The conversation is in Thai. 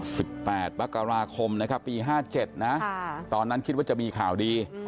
สิบแปดปกราคมนะครับปี๕๗นะตอนนั้นคิดว่าจะมีข่าวดี